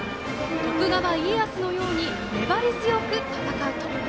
徳川家康のように粘り強く戦うと。